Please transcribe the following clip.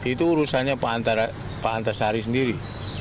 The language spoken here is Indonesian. itu urusannya pak antasari sendiri